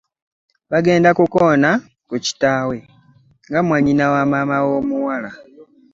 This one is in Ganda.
Baagenda okukoona ku kitaawe, nga mwannyina wa maama w'omuwala